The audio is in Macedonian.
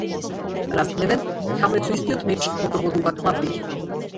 Разгневен, Хамлет со истиот меч го прободува Клавдиј.